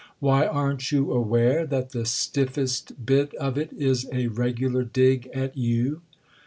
"Why, aren't you aware that the stiffest bit of it is a regular dig at you?"